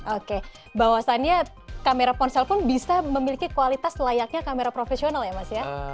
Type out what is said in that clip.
oke bahwasannya kamera ponsel pun bisa memiliki kualitas layaknya kamera profesional ya mas ya